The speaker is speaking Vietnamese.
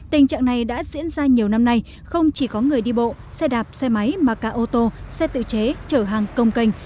tình trạng này đã diễn ra nhiều năm nay không chỉ có người đi bộ xe đạp xe máy mà cả ô tô xe tự chế chở hàng công canh